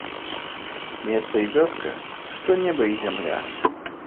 Места і вёска, што неба і зямля.